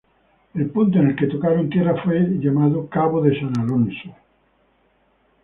El punto en el que tocaron tierra fue llamado Cabo de San Alonso.